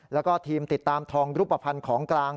แล้วก็ทีมติดตามทองรูปภัณฑ์ของกลาง